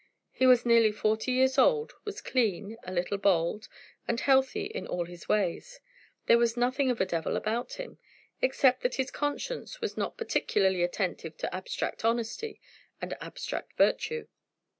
He was nearly forty years old, was clean, a little bald, and healthy in all his ways. There was nothing of a devil about him, except that his conscience was not peculiarly attentive to abstract honesty and abstract virtue.